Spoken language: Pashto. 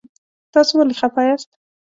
تاسو ولې خفه یاست؟